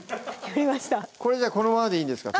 これこのままでいいんですか？